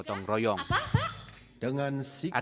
kami juga berharap bahwa kita bisa menerima dana spesial